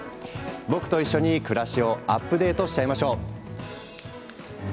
僕と一緒に、暮らしをアップデートしちゃいましょう。